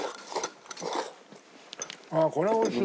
あっこれはおいしい！